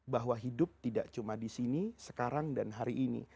bahwa hidup tidak cuma di sini sekarang dan hari ini